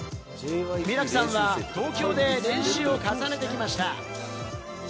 ミラクさんは東京で練習を重ねてきました。